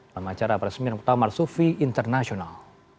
dalam acara resmi muktamar sufi international